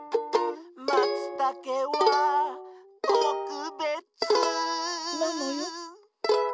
「マツタケはとくべつ」なのよ。